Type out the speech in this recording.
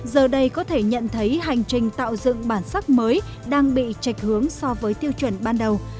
giờ đây có thể nhận thấy hành trình tạo dựng bản sắc mới đang bị trạch hướng so với tiêu chuẩn ban đầu